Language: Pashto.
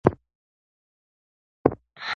ستوني غرونه د افغانستان د اقتصادي منابعو ارزښت زیاتوي.